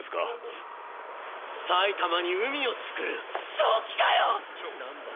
正気かよ。